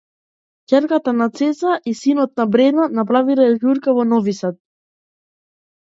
Ќерката на Цеца и синот на Брена направиле журка во Нови Сад